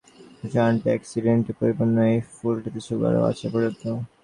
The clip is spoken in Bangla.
প্রচুর অ্যান্টি অ্যাক্সিডেন্টে পরিপূর্ণ এ ফলটিতে সুগারও আছে পর্যাপ্ত।